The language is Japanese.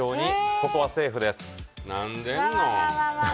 ここはセーフです。